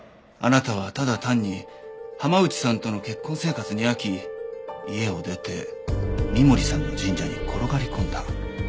あなたはただ単に浜内さんとの結婚生活に飽き家を出て深守さんの神社に転がり込んだ。